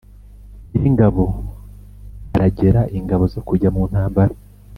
Nyiringabo aragera ingabo zo kujya mu ntambara